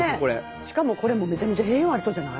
しかもこれもめちゃめちゃ栄養ありそうじゃない？